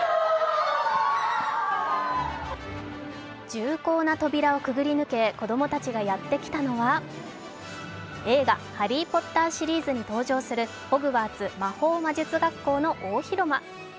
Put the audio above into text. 重厚な扉をくぐり抜け子供たちがやってきたのは映画「ハリー・ポッター」シリーズに登場するホグワーツ魔法魔術学校の大広間。